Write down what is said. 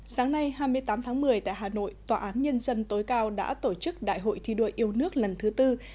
sáng nay hai mươi tám tháng một mươi tại hà nội tòa án nhân dân tối cao đã tổ chức đại hội thi đua yêu nước lần thứ tư